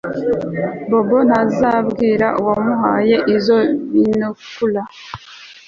Bobo ntazambwira uwamuhaye izo binokula